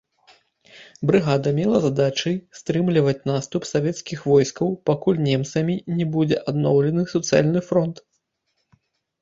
Брыгада мела задачай стрымліваць наступ савецкіх войскаў, пакуль немцамі не будзе адноўлены суцэльны фронт.